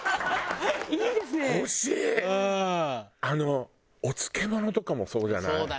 あのお漬物とかもそうじゃない？